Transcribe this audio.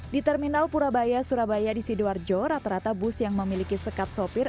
di terminal purabaya surabaya di sidoarjo rata rata bus yang memiliki sekat sopir